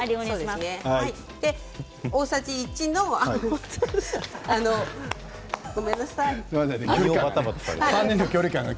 大さじ１のごめんなさい。